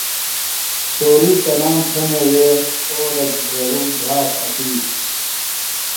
چھوری تنام تھےۡ میوے، اورہ ، دھیڑُم ، دھراڇ اٹی